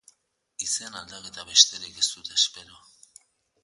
Izen aldaketa besterik ez dut espero.